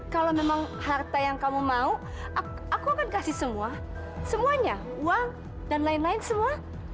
kalau memang harta yang kamu mau aku akan kasih semua semuanya uang dan lain lain semua